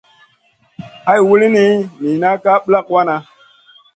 Hay wulini nina ka ɓlak wanaʼ.